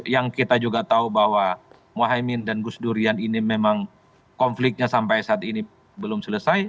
yang kita juga tahu bahwa mohaimin dan gus durian ini memang konfliknya sampai saat ini belum selesai